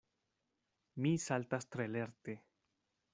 Mi saltas tre lerte.